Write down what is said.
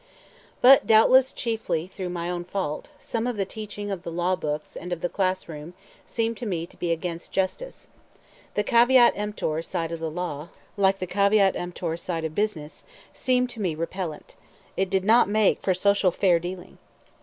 But, doubtless chiefly through my own fault, some of the teaching of the law books and of the classroom seemed to me to be against justice. The caveat emptor side of the law, like the caveat emptor side of business, seemed to me repellent; it did not make for social fair dealing.